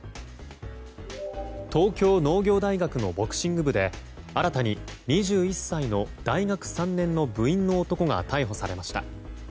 東京農業大学のボクシング部で新たに２１歳の大学３年の部員の男が逮捕されました。